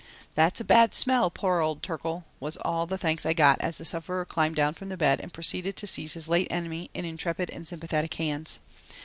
"That's a bad smell, poor old turkle," was all the thanks I got as the sufferer climbed down from the bed and proceeded to seize his late enemy in intrepid and sympathetic hands.